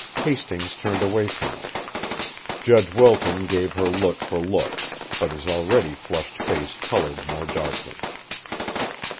Hastings turned away from her. Judge Wilton gave her look for look, but his already flushed face coloured more darkly.